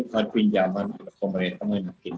bukan pinjaman pemerintah mungkin